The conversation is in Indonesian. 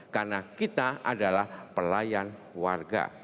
karena kita adalah pelayan warga